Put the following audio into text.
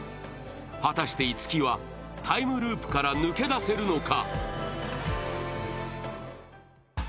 果たして樹はタイムループから抜け出せるのか。